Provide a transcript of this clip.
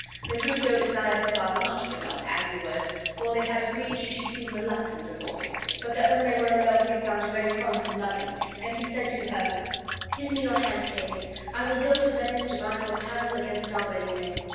Petruchio desired her father not to regard her angry words, for they had agreed she should seem reluctant before him, but that when they were alone he had found her very fond and loving; and he said to her: "Give me your hand, Kate. I will go to Venice to buy you apparel against our wedding day.